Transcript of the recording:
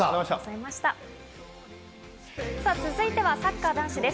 続いてはサッカー男子です。